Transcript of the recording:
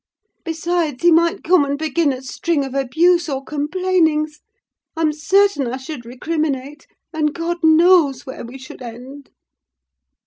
Besides, he might come and begin a string of abuse or complainings; I'm certain I should recriminate, and God knows where we should end!